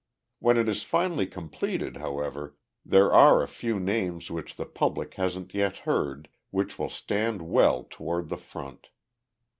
"When it is finally completed, however, there are a few names which the public hasn't yet heard which will stand well toward the front.